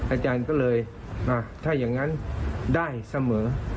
อาจารย์ก็เลยถ้าอย่างนั้นได้เสมอ